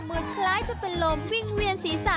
เหมือนคล้ายจะเป็นลมวิ่งเวียนศีรษะ